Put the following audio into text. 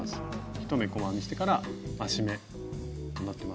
１目細編みしてから増し目になってます。